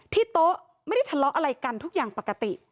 โต๊ะไม่ได้ทะเลาะอะไรกันทุกอย่างปกติ